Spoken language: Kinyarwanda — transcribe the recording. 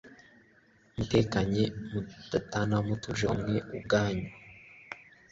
mutekanye mudatana mutuje mwe ubwanyu